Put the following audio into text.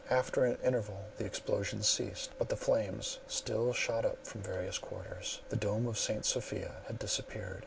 After an interval the explosions ceased, but the flames still shot up from various quarters; the dome of St. Sophia had disappeared.